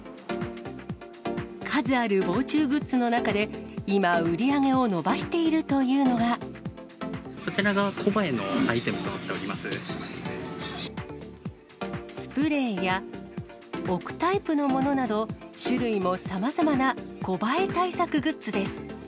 数ある防虫グッズの中で、今、売り上げを伸ばしているというのこちらがコバエのアイテムとスプレーや、置くタイプのものなど、種類もさまざまなコバエ対策グッズです。